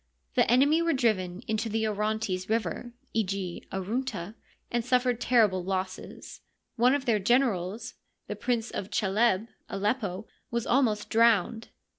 The enemy were driven into the Orontes River (Eg. Aruntd), and suffered terrible losses; one of their generals, the Prince of Chaleb (Aleppo), was almost drowned.